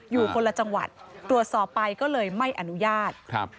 อยู่คนละจังหวัดตรวจสอบไปก็เลยไม่อนุญาตครับ